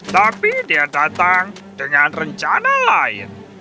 tapi dia datang dengan rencana lain